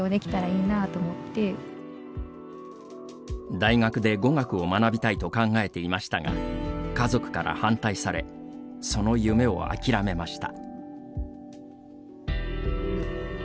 大学で語学を学びたいと考えていましたが家族から反対されその夢を諦めました。